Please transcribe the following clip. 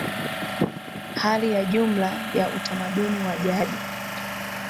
hali ya jumla ya utamaduni wa jadi